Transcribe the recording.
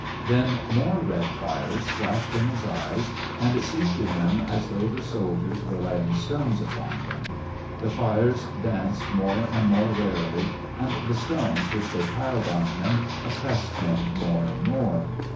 Then more red fires flashed in his eyes — and it seemed to him as though the soldiers were laying stones upon him ; the fires danced more and more rarely, the stones which they piled on him oppressed him more and more.